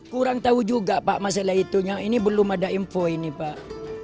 kurang tahu juga pak masalah itunya ini belum ada info ini pak